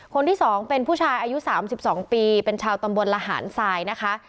คนที่๒เป็นผู้ชายอายุ๓๒ปีเป็นชาวตำบลละหารทรายนะคะ